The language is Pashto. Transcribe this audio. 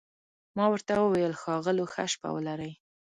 ما ورته وویل: ښاغلو، ښه شپه ولرئ.